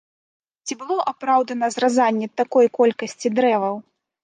Ці было апраўдана зразанне такой колькасці дрэваў?